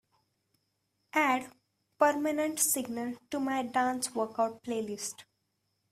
Add Permanent Signal to my dance workout playlist.